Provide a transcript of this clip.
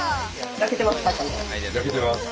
焼けてます？